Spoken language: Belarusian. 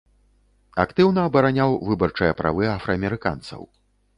Актыўна абараняў выбарчыя правы афраамерыканцаў.